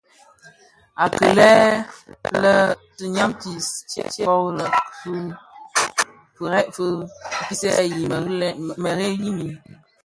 Akilè le tinyamtis tyè kori ki firès fi pisiyèn merėli mii.